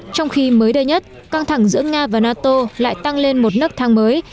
trong khi mới đây nhất căng thẳng giữa nga và nato lại tăng lên một nức thang mới